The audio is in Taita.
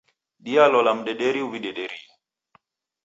Dialola mdederi uw'idederie